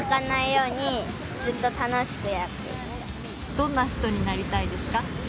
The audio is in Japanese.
どんな人になりたいですか？